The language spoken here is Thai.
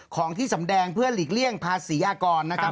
ของที่สำแดงเพื่อหลีกเลี่ยงภาษีอากรนะครับ